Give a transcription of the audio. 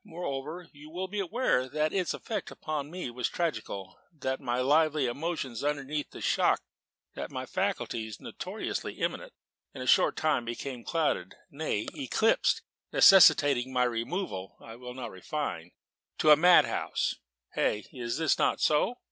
Moreover, you will be aware that its effect upon me was tragical; that my lively emotions underneath the shock deepened into a settled gloom; that my faculties (notoriously eminent) in a short time became clouded, nay, eclipsed necessitating my removal (I will not refine) to a madhouse. Hey, is it not so?"